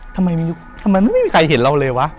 ทำไมไม่มีใครเห็นเราเลยวะ